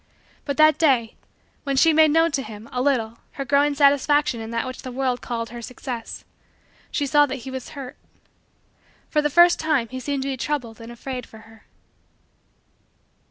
But that day, when she made known to him, a little, her growing satisfaction in that which the world called her success, she saw that he was hurt. For the first time he seemed to be troubled and afraid for her.